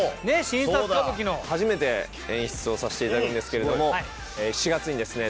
初めて演出をさせていただくんですけれども７月にですね